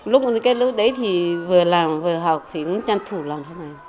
lúc đấy thì vừa làm vừa học chân thủ làm